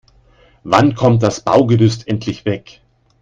Wann kommt das Baugerüst endlich weg?